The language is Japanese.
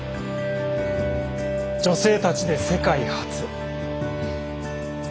女性たちで世界初。